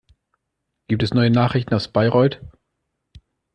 Gibt es neue Nachrichten aus Bayreuth?